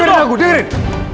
hei dirin aku dirin